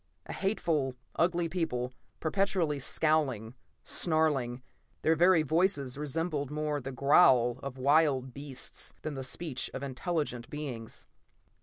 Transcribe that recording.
A hateful, ugly people, perpetually scowling, snarling; their very voices resembled more the growl of wild beasts than the speech of intelligent beings.